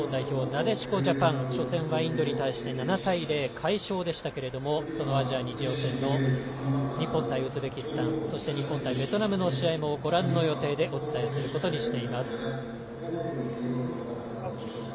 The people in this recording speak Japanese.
なでしこジャパン初戦はインドに対して７対０快勝でしたがアジア２次予選の日本対ウズベキスタン日本対ベトナムの試合もご覧の予定でお伝えすることにしています。